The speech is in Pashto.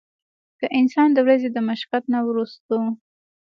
کۀ انسان د ورځې د مشقت نه وروستو